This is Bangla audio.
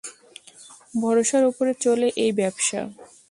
ভরসার উপরে চলে এই ব্যবসা!